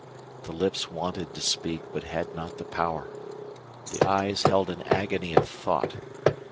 The lips wanted to speak, but had not the power. The eyes held an agony of thought.